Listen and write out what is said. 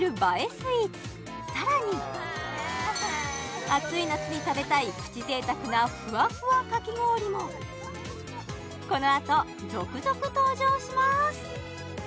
スイーツさらに暑い夏に食べたいプチ贅沢なこのあと続々登場します